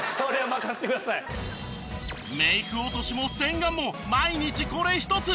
メイク落としも洗顔も毎日これ一つ。